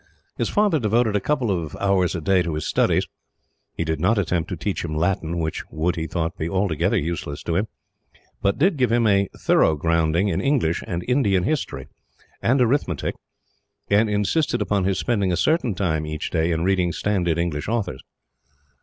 His father devoted a couple of hours a day to his studies. He did not attempt to teach him Latin which would, he thought, be altogether useless to him but gave him a thorough grounding in English and Indian history, and arithmetic, and insisted upon his spending a certain time each day in reading standard English authors.